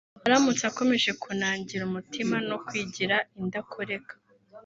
aramutse akomeje kunangira umutima no kwigira indakoreka